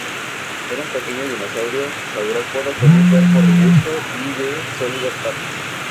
Era un pequeño dinosaurio saurópodo con un cuerpo robusto y de sólidas patas.